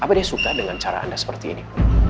apa dia suka dengan cara anda seperti ini